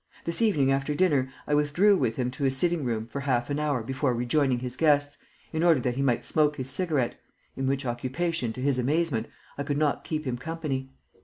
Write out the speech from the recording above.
This evening after dinner I withdrew with him to his sitting room for half an hour before rejoining his guests, in order that he might smoke his cigarette, in which occupation, to his amazement, I could not keep him company.